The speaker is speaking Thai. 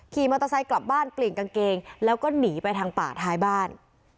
ขี่มอเตอร์ไซค์กลับบ้านเปลี่ยนกางเกงแล้วก็หนีไปทางป่าท้ายบ้าน